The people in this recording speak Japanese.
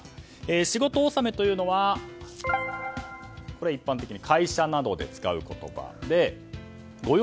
仕事納めというのは一般的に会社などで使う言葉で御用